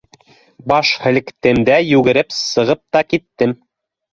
Баш һелктем дә, йүгереп сығып та киттем.